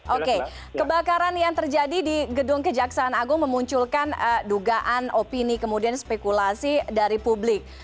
oke kebakaran yang terjadi di gedung kejaksaan agung memunculkan dugaan opini kemudian spekulasi dari publik